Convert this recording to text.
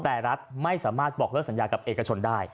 แต่รัฐไม่สามารถบอกเลิกสัญญากับเอกชนได้